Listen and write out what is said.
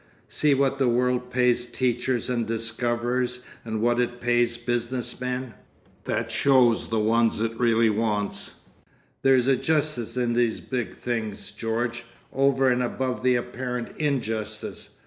See what the world pays teachers and discoverers and what it pays business men! That shows the ones it really wants. There's a justice in these big things, George, over and above the apparent injustice.